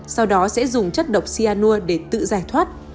sau đó sẽ dùng chất độc cyanur để tự giải thoát